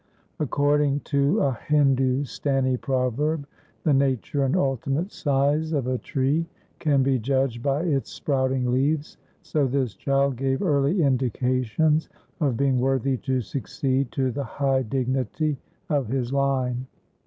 Ac cording to a Hindustani proverb, the nature and ultimate size of a tree can be judged by its sprouting leaves, so this child gave early indications of being worthy to succeed to the high dignity of his line.